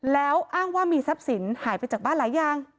แล้วอ้างว่ามีทรัพย์สินหายไปจากบ้านหลายอย่าง